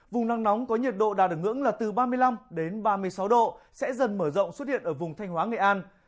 vùng nắng nóng có nhiệt độ đạt ở ngưỡng là từ ba mươi năm đến ba mươi sáu độ sẽ dần mở rộng xuất hiện ở vùng thanh hóa nghệ an